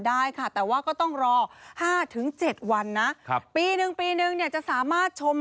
ได้ค่ะแต่ว่าก็ต้องรอ๕๗วันนะครับปีหนึ่งปีนึงเนี่ยจะสามารถชม